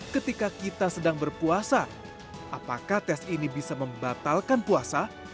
ketika kita sedang berpuasa apakah tes ini bisa membatalkan puasa